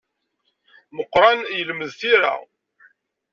Meqqran yelmed tira.